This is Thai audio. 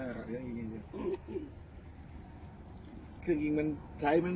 ขาดแค่เครื่องยิงครับ